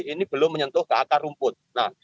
ini belum menyentuh ke akar rumput